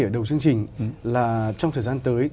ở đầu chương trình là trong thời gian tới